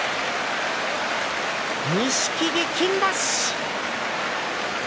錦木、金星。